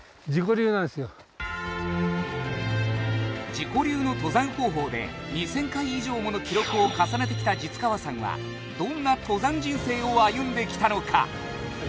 自己流の登山方法で２０００回以上もの記録を重ねてきた實川さんはどんな登山人生を歩んできたのか？